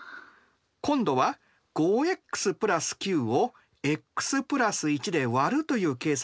今度は５ｘ＋９をｘ＋１でわるという計算をします。